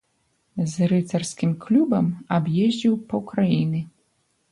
З рыцарскім клубам аб'ездзіў паўкраіны.